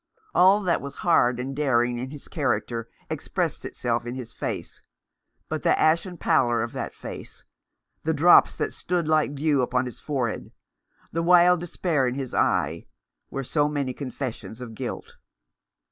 All that was hard and daring in his character expressed itself in his face ; but the ashen pallor of that face, the drops that stood like dew upon his fore head, the wild despair in his eye, were so many confessions of guilt.